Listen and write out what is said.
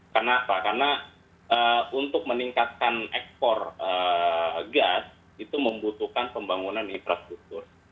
karena untuk meningkatkan ekspor gas itu membutuhkan pembangunan infrastruktur